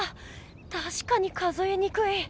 たしかに数えにくい。